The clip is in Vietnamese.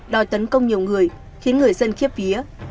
đòi tấn công nhiều người khiến người dân khiếp vía